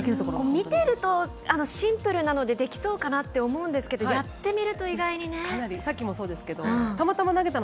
見てると、シンプルなのでできそうかなって思うんですけどやってみると意外にね。さっきたまたま投げたの。